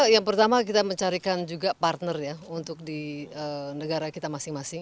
yang pertama kita mencarikan juga partner ya untuk di negara kita masing masing